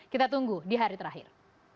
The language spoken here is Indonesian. kita tunggu di hari terakhir